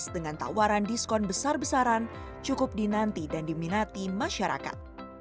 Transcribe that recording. dengan tawaran diskon besar besaran cukup dinanti dan diminati masyarakat